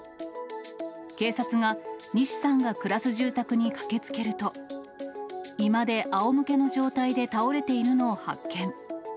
警察が、西さんが暮らす住宅に駆けつけると、居間であおむけの状態で倒れているのを発見。